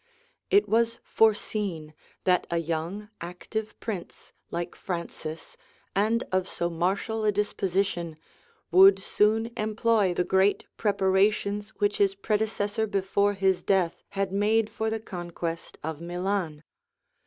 It was foreseen, that a young, active prince, like Francis, and of so martial a disposition, would soon employ the great preparations which his predecessor before his death had made for the conquest of Milan.